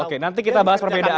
oke nanti kita bahas perbedaan